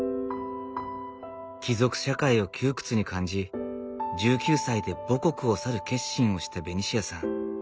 貴族社会を窮屈に感じ１９歳で母国を去る決心をしたベニシアさん。